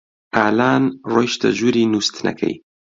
ئالان ڕۆیشتە ژووری نووستنەکەی.